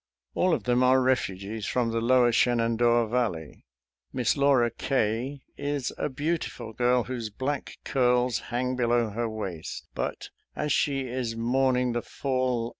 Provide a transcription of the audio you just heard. All of them are refugees from the lower Shenandoah Valley. Miss Laura K is a beautiful girl whose black curls hang below her waist; but as she is mourning the fall of the B.